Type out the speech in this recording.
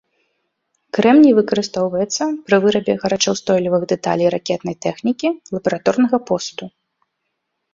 Крэмній выкарыстоўваецца пры вырабе гарачаўстойлівых дэталей ракетнай тэхнікі, лабараторнага посуду.